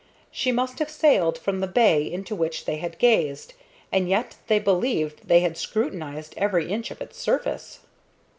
She must have sailed from the bay into which they had gazed, and yet they believed they had scrutinized every inch of its surface.